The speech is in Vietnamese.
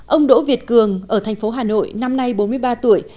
ông đỗ việt cường ở thành phố hà nội năm nay bốn mươi ba tuổi